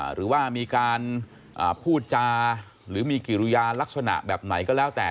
หรือว่ามีการพูดจาหรือมีกิริยาลักษณะแบบไหนก็แล้วแต่